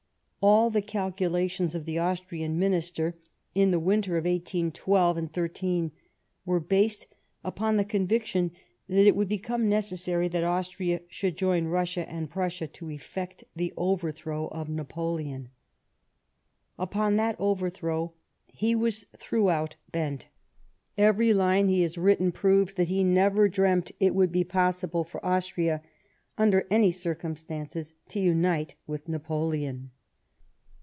All the calculations of the Austrian Minister in the winter of 1812 13 were based upon the conviction that it would become necessary that Austria should join Eussia and Prussia to effect the overthrow of Napoleon. Upon that overthrow he was throughout bent. Every line he h.is written proves that he never dreamt it would be possible for Austria, under any circumstances, to unite with Napoleon.